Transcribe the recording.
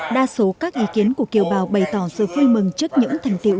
đa số các ý kiến của kiều bào bày tỏ sự vui mừng trước những thành tiệu